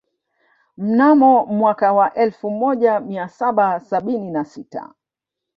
Mnamo mwaka wa elfu moja mia saba sabini na sita